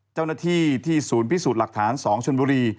เจ้าหน้าที่ที่ศูนย์พิสูจน์หลักฐาน๒ชนบุรี